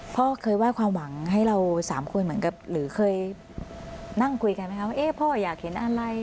พ่อเคยไห้ความหวังให้เราสามคนเหมือนกับหรือเคยนั่งคุยกันไหมคะว่าพ่ออยากเห็นอะไร